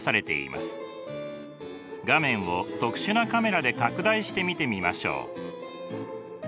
画面を特殊なカメラで拡大して見てみましょう。